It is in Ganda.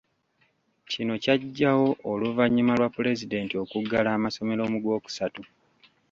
Kino kyajjawo oluvannyuma lwa Pulezidenti okuggala amasomero mu Gwokusatu.